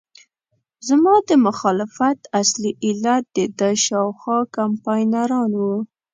زما د مخالفت اصلي علت دده شاوخوا کمپاینران وو.